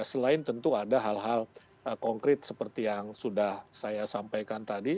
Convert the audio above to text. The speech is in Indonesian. selain tentu ada hal hal konkret seperti yang sudah saya sampaikan tadi